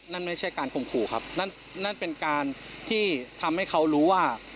นั่นไม่ใช่การข่มขู่ครับนั่นนั่นเป็นการที่ทำให้เขารู้ว่า